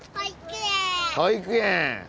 保育園！